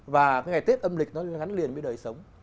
và cái ngày tết âm lịch nó gắn liền với đời sống